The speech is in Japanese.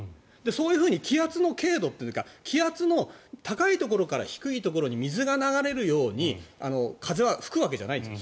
そういうふうに気圧の経度というか気圧の高いところから低いところに水が流れるように風は吹くわけじゃないんです。